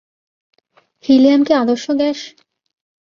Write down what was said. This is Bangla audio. হিলিয়াম কি আদর্শ গ্যাস?